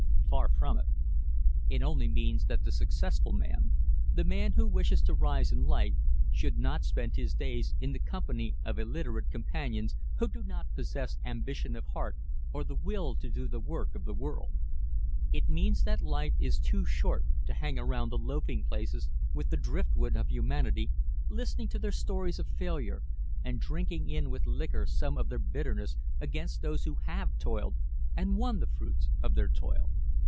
Far from it. It only means that the successful man, the man who wishes to rise in life, should not spend his days in the company of illiterate companions who do not possess ambition of heart or the will to do the work of the world. It means that life is too short to hang around the loafing places with the driftwood of humanity listening to their stories of failure and drinking in with liquor some of their bitterness against those who have toiled and won the fruits of their toil.